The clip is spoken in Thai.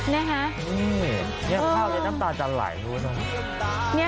นี่ภาพเลยน้ำตาจะไหลรู้เนอะ